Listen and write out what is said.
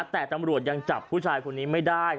แต่ตำรวจยังจับผู้ชายคนนี้ไม่ได้